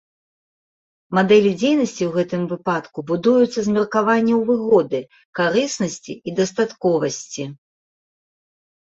Мадэлі дзейнасці ў гэтым выпадку будуюцца з меркаванняў выгоды, карыснасці і дастатковасці.